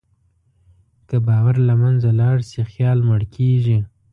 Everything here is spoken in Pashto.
که باور له منځه لاړ شي، خیال مړ کېږي.